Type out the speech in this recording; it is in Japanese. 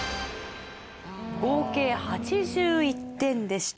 合計８１点でした。